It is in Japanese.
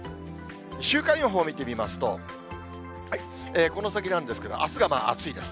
週間予報を見てみますと、この先なんですけど、あすが暑いです。